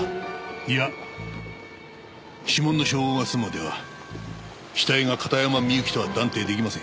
いや指紋の照合が済むまでは死体が片山みゆきとは断定出来ません。